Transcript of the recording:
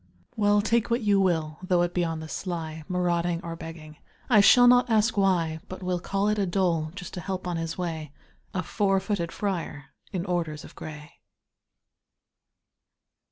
Well, take what you will, though it be on the sly, Marauding or begging, I shall not ask why, But will call it a dole, just to help on his way A four footed friar in orders of gray!